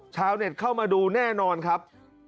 ชาวเน็ตเข้ามาดูแน่นอนครับ